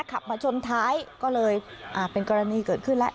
ขับมาชนท้ายก็เลยเป็นกรณีเกิดขึ้นแล้ว